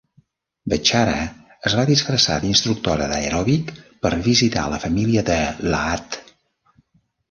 Bechara es va disfressar d'instructora d'aeròbic per visitar la família de Lahad.